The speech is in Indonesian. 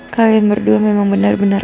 kalian berdua memang benar benar